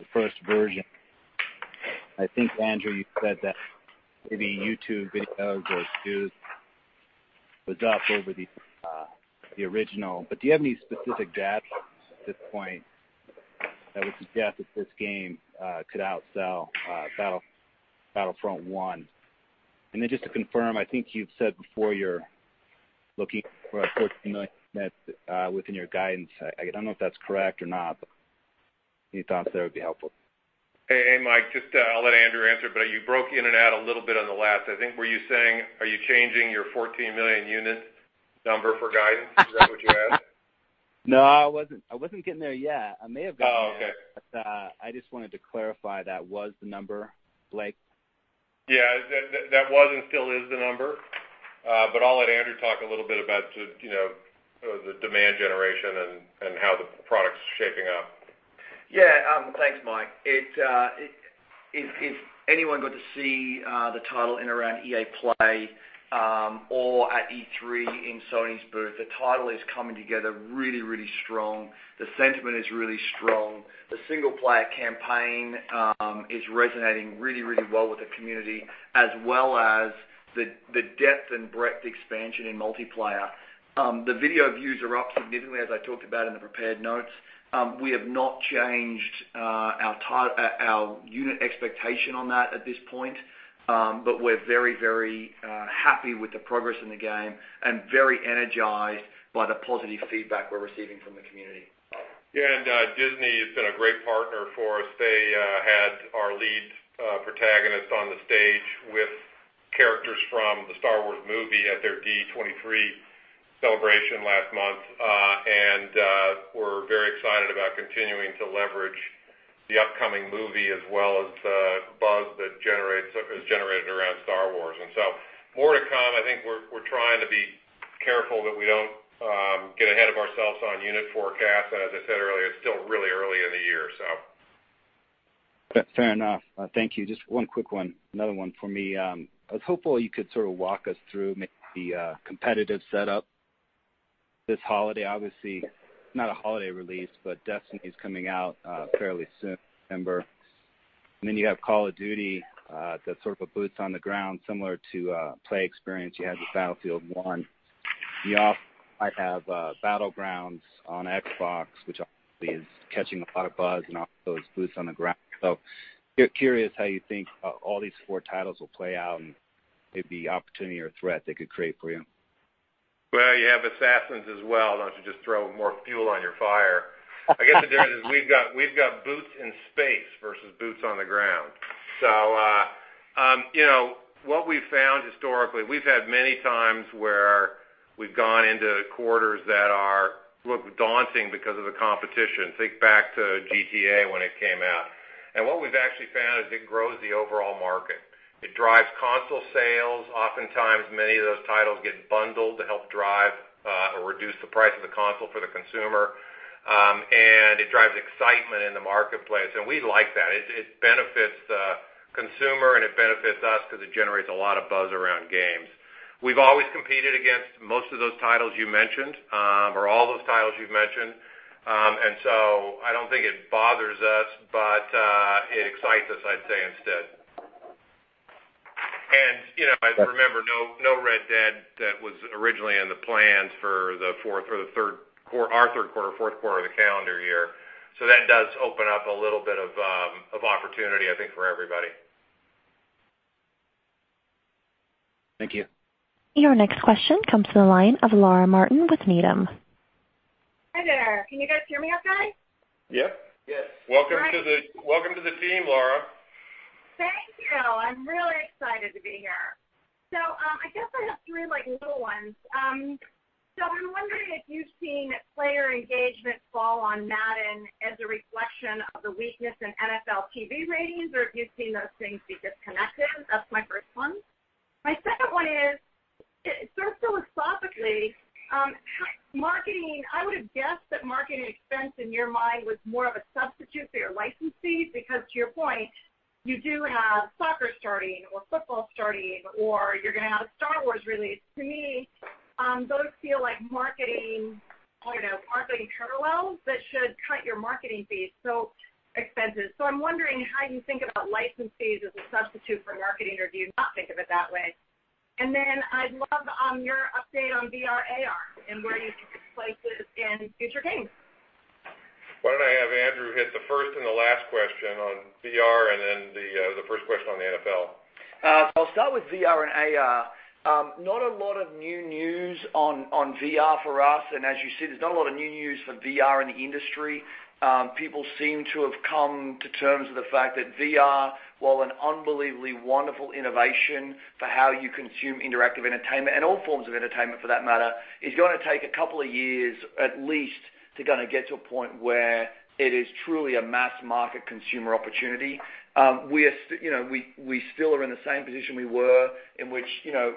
the first version. I think, Andrew, you said that maybe YouTube videos do the job over the original. Do you have any specific data points at this point that would suggest that this game could outsell Battlefront 1? Then just to confirm, I think you've said before you're looking for a within your guidance. I don't know if that's correct or not, any thoughts there would be helpful. Hey, Mike. I'll let Andrew answer, you broke in and out a little bit on the last. I think were you saying, are you changing your 14 million unit number for guidance? Is that what you asked? I wasn't getting there yet. I may have gotten there. Okay. I just wanted to clarify that was the number, Blake. Yeah. That was and still is the number. I'll let Andrew talk a little bit about the demand generation and how the product's shaping up. Yeah. Thanks, Mike. If anyone got to see the title in around EA Play or at E3 in Sony's booth, the title is coming together really, really strong. The sentiment is really strong. The single-player campaign is resonating really, really well with the community, as well as the depth and breadth expansion in multiplayer. The video views are up significantly, as I talked about in the prepared notes. We have not changed our unit expectation on that at this point. We're very happy with the progress in the game and very energized by the positive feedback we're receiving from the community. Yeah, Disney has been a great partner for us. They had our lead protagonist on the stage with characters from the Star Wars movie at their D23 celebration last month, and we're very excited about continuing to leverage the upcoming movie as well as the buzz that is generated around "Star Wars." More to come. I think we're trying to be careful that we don't get ahead of ourselves on unit forecast. As I said earlier, it's still really early in the year. Fair enough. Thank you. Just one quick one. Another one for me. I was hopeful you could sort of walk us through maybe the competitive setup this holiday. Obviously, not a holiday release, but Destiny is coming out fairly soon, September. You have Call of Duty that sort of boots on the ground similar to play experience. You had the Battlefield 1. You also might have Battlegrounds on Xbox, which obviously is catching a lot of buzz and also boots on the ground. Curious how you think all these four titles will play out and maybe opportunity or threat they could create for you. Well, you have Assassins as well, not to just throw more fuel on your fire. I guess the difference is we've got boots in space versus boots on the ground. What we've found historically, we've had many times where we've gone into quarters that look daunting because of the competition. Think back to GTA when it came out. What we've actually found is it grows the overall market. It drives console sales. Oftentimes, many of those titles get bundled to help drive or reduce the price of the console for the consumer. It drives excitement in the marketplace. We like that. It benefits the consumer, and it benefits us because it generates a lot of buzz around games. We've always competed against most of those titles you mentioned, or all those titles you've mentioned. I don't think it bothers us, but it excites us, I'd say instead. As you remember, no "Red Dead" that was originally in the plans for our third quarter, fourth quarter of the calendar year. That does open up a little bit of opportunity, I think, for everybody. Thank you. Your next question comes to the line of Laura Martin with Needham. Hi there. Can you guys hear me okay? Yep. Yes. Welcome to the team, Laura. Thank you. I'm really excited to be here. I guess I have three little ones. I'm wondering if you've seen player engagement fall on Madden as a reflection of the weakness in NFL TV ratings, or if you've seen those things be disconnected. That's my first one. My second one is, sort of philosophically, I would have guessed that marketing expense in your mind was more of a substitute for your licensees, because to your point, you do have soccer starting or football starting, or you're going to have a Star Wars release. To me, those feel like marketing parallels that should cut your marketing fees, so expenses. I'm wondering how you think about licensees as a substitute for marketing, or do you not think of it that way? I'd love your update on VR, AR, and where you see this places in future games. Why don't I have Andrew hit the first and the last question on VR and then the first question on the NFL. I'll start with VR and AR. Not a lot of new news on VR for us. As you see, there's not a lot of new news for VR in the industry. People seem to have come to terms with the fact that VR, while an unbelievably wonderful innovation for how you consume interactive entertainment and all forms of entertainment for that matter, is going to take a couple of years at least to get to a point where it is truly a mass market consumer opportunity. We still are in the same position we were in which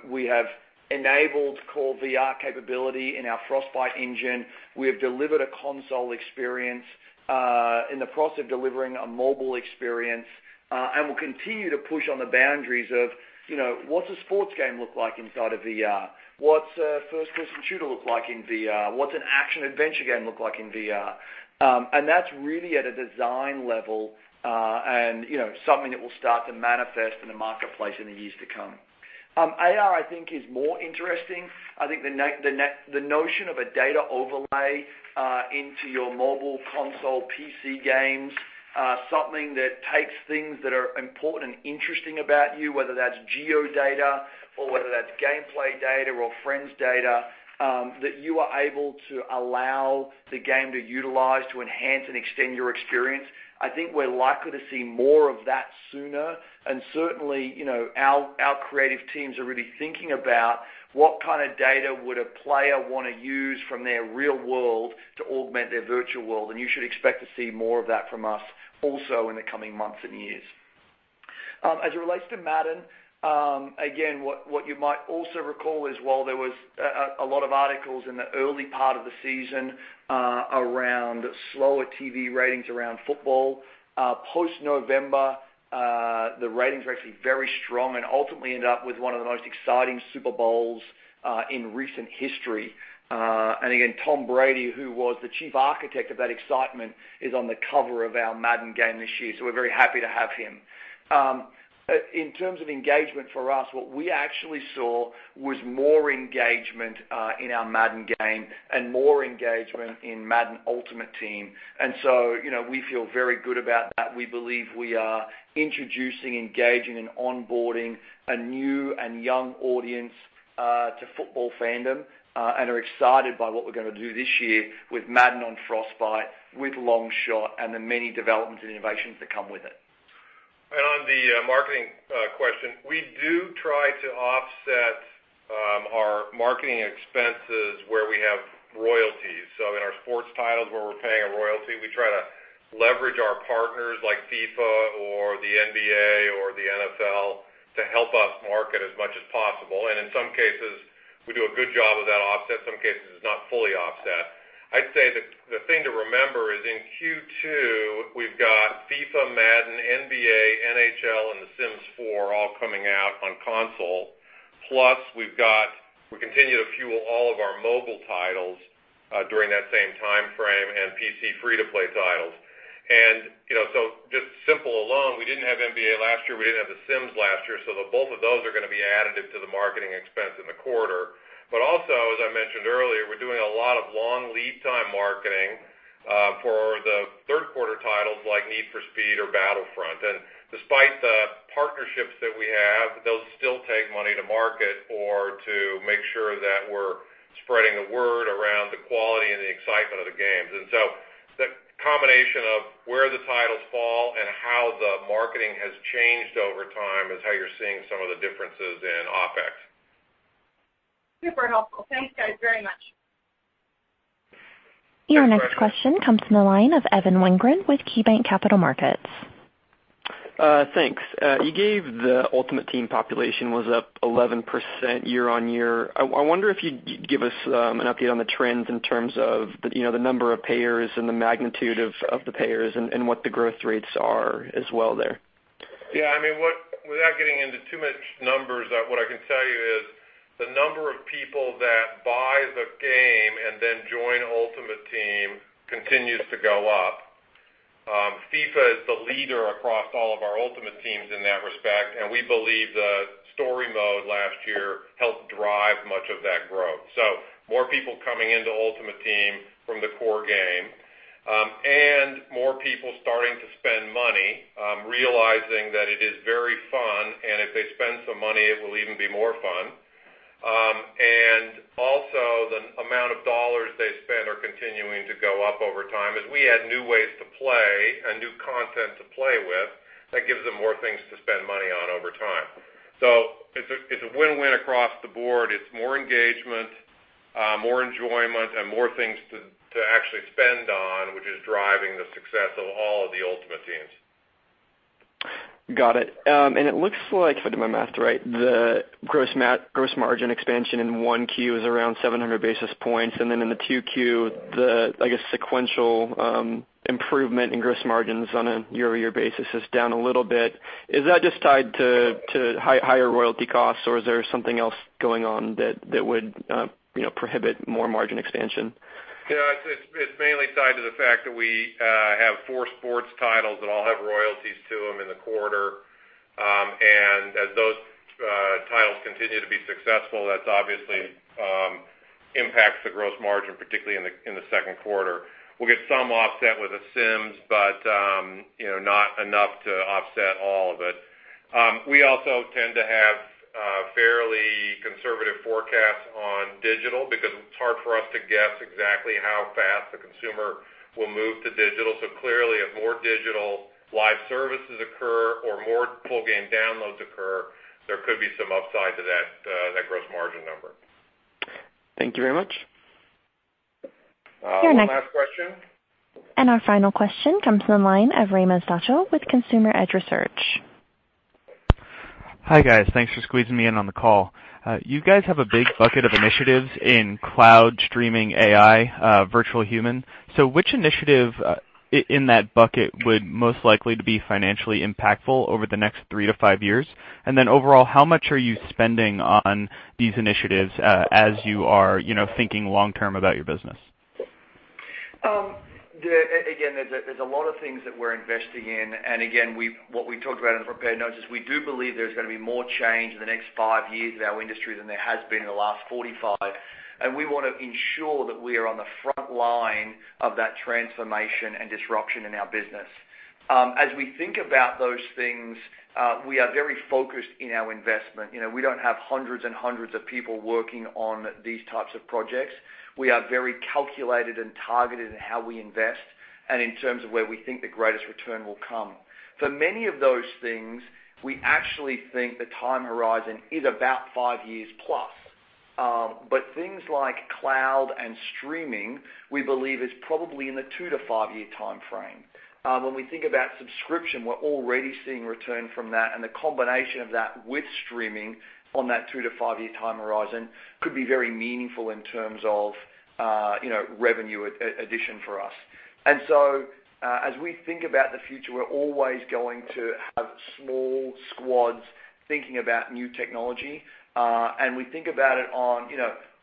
we have enabled core VR capability in our Frostbite engine. We have delivered a console experience, in the process of delivering a mobile experience. We'll continue to push on the boundaries of what's a sports game look like inside of VR? What's a first-person shooter look like in VR? What's an action-adventure game look like in VR? That's really at a design level, and something that will start to manifest in the marketplace in the years to come. AR, I think, is more interesting. I think the notion of a data overlay into your mobile console PC games, something that takes things that are important and interesting about you, whether that's geo data or whether that's gameplay data or friends data, that you are able to allow the game to utilize to enhance and extend your experience. I think we're likely to see more of that sooner. Certainly, our creative teams are really thinking about what kind of data would a player want to use from their real world to augment their virtual world, and you should expect to see more of that from us also in the coming months and years. As it relates to Madden, again, what you might also recall is while there was a lot of articles in the early part of the season around slower TV ratings around football, post November, the ratings were actually very strong and ultimately ended up with one of the most exciting Super Bowls in recent history. Again, Tom Brady, who was the chief architect of that excitement, is on the cover of our Madden game this year. We're very happy to have him. In terms of engagement for us, what we actually saw was more engagement in our Madden game and more engagement in Madden Ultimate Team. We feel very good about that. We believe we are introducing, engaging, and onboarding a new and young audience to football fandom and are excited by what we're going to do this year with Madden on Frostbite, with Longshot, and the many developments and innovations that come with it. On the marketing question, we do try to offset our marketing expenses where we have royalties. In our sports titles where we're paying a royalty, we try to leverage our partners like FIFA or the NBA or the NFL to help us market as much as possible. In some cases, we do a good job of that offset. Some cases, it's not fully offset. I'd say the thing to remember is in Q2, we've got FIFA, Madden, NBA, NHL, and The Sims 4 all coming out on console. Plus, we continue to fuel all of our mobile titles, during that same timeframe, and PC free-to-play titles. Just simple alone, we didn't have NBA last year. We didn't have The Sims last year. The both of those are going to be additive to the marketing expense in the quarter. Also, as I mentioned earlier, we're doing a lot of long lead time marketing for the third quarter titles like Need for Speed or Battlefront. Despite the partnerships that we have, those still take money to market or to make sure that we're spreading the word around the quality and the excitement of the games. The combination of where the titles fall and how the marketing has changed over time is how you're seeing some of the differences in OpEx. Super helpful. Thanks, guys, very much. Your next question comes from the line of Evan Wingren with KeyBanc Capital Markets. Thanks. You gave the Ultimate Team population was up 11% year-on-year. I wonder if you'd give us an update on the trends in terms of the number of payers and the magnitude of the payers and what the growth rates are as well there. Yeah, without getting into too much numbers, what I can tell you is the number of people that buy the game and then join Ultimate Team continues to go up. FIFA is the leader across all of our Ultimate Teams in that respect, we believe the story mode last year helped drive much of that growth. More people coming into Ultimate Team from the core game, more people starting to spend money, realizing that it is very fun, if they spend some money, it will even be more fun. Also the amount of dollars they spend are continuing to go up over time as we add new ways to play and new content to play with that gives them more things to spend money on over time. It's a win-win across the board. It's more engagement, more enjoyment, and more things to actually spend on, which is driving the success of all of the Ultimate Teams. Got it. It looks like if I do my math right, the gross margin expansion in 1Q is around 700 basis points. In the 2Q, the, I guess, sequential improvement in gross margins on a year-over-year basis is down a little bit. Is that just tied to higher royalty costs, or is there something else going on that would prohibit more margin expansion? It's mainly tied to the fact that we have 4 sports titles that all have royalties to them in the quarter. As those titles continue to be successful, that obviously impacts the gross margin, particularly in the second quarter. We'll get some offset with The Sims, not enough to offset all of it. We also tend to have fairly conservative forecasts on digital because it's hard for us to guess exactly how fast the consumer will move to digital. Clearly, if more digital live services occur or more full game downloads occur, there could be some upside to that gross margin number. Thank you very much. One last question. Our final question comes from the line of Raymond Stuchio with Consumer Edge Research. Hi, guys. Thanks for squeezing me in on the call. You guys have a big bucket of initiatives in cloud streaming AI virtual human. Which initiative in that bucket would most likely to be financially impactful over the next three to five years? Overall, how much are you spending on these initiatives as you are thinking long term about your business? There's a lot of things that we're investing in. What we talked about in the prepared notes is we do believe there's going to be more change in the next five years in our industry than there has been in the last 45. We want to ensure that we are on the front line of that transformation and disruption in our business. As we think about those things, we are very focused in our investment. We don't have hundreds and hundreds of people working on these types of projects. We are very calculated and targeted in how we invest and in terms of where we think the greatest return will come. For many of those things, we actually think the time horizon is about five years plus. Things like cloud and streaming, we believe is probably in the two to five-year timeframe. When we think about subscription, we're already seeing return from that, and the combination of that with streaming on that two to five-year time horizon could be very meaningful in terms of revenue addition for us. As we think about the future, we're always going to have small squads thinking about new technology. We think about it on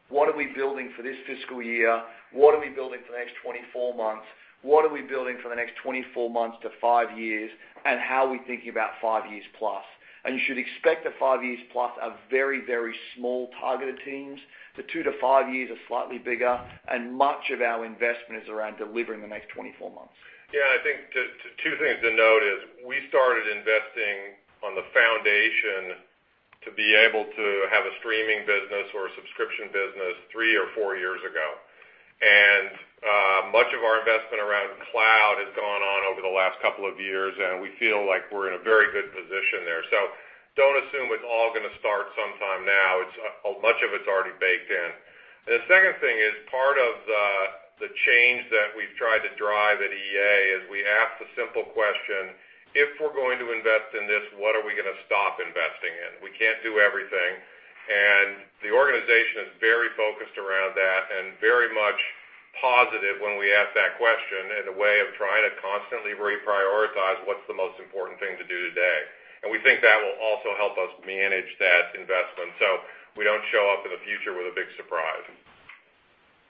what are we building for this fiscal year? What are we building for the next 24 months? What are we building for the next 24 months to five years? How are we thinking about five years plus? You should expect the five years plus of very, very small targeted teams. The two to five years are slightly bigger, and much of our investment is around delivering the next 24 months. I think two things to note is we started investing on the foundation to be able to have a streaming business or a subscription business three or four years ago. Much of our investment around cloud has gone on over the last couple of years, and we feel like we're in a very good position there. Don't assume it's all going to start sometime now. Much of it's already baked in. The second thing is part of the change that we've tried to drive at EA is we ask the simple question: If we're going to invest in this, what are we going to stop investing in? We can't do everything, and the organization is very focused around that and very much positive when we ask that question in a way of trying to constantly reprioritize what's the most important thing to do today. We think that will also help us manage that investment so we don't show up in the future with a big surprise.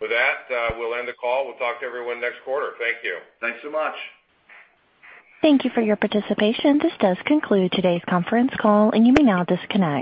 With that, we'll end the call. We'll talk to everyone next quarter. Thank you. Thanks so much. Thank you for your participation. This does conclude today's conference call, and you may now disconnect.